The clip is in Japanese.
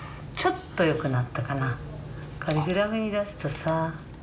グラフに出すとさ。